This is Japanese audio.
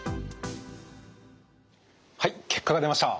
はい結果が出ました。